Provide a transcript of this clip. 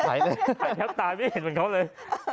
หายแทบตายไม่เห็นเหมือนเขาเลย